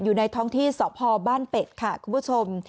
อยู่ในท้องที่สพบ้านเป็ดค่ะคุณผู้ชม